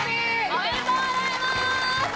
おめでとうございます！